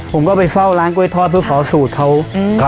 ผมก็ไปเฝ้าร้านกล้วยทอดเพื่อขอสูตรเขา